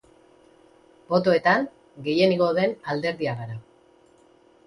Botoetan, gehien igo den alderdia gara.